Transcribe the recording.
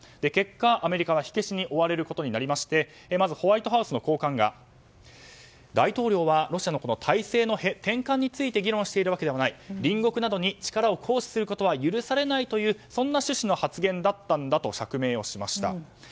結果、アメリカは火消しに追われることになりましてまずホワイトハウスの高官が大統領は体制の転換について議論しているわけではない隣国などに力を行使することは許されないという趣旨の発言だったと釈明をしました。